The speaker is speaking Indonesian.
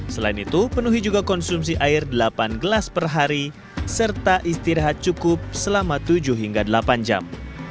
selain itu penuhi juga konsumsi air delapan gelas per hari serta istirahat cukup selama tujuh hingga delapan jam